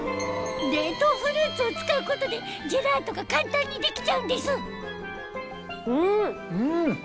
冷凍フルーツを使うことでジェラートが簡単にできちゃうんですうん！